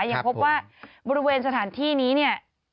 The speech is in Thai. ยังพบว่าบริเวณสถานที่นี้